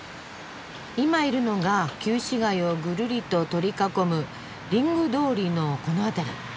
今いるのが旧市街をぐるりと取り囲むリング通りのこの辺り。